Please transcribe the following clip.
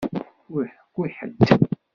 Ur ḥekku i ḥedd!